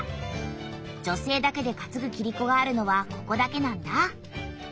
女性だけでかつぐキリコがあるのはここだけなんだ。